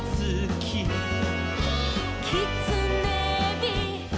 「きつねび」「」